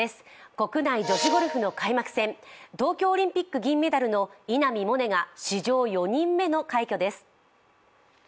国内女子ゴルフ開幕戦東京オリンピック銀メダルの稲見萌寧が史上４人目の快挙です。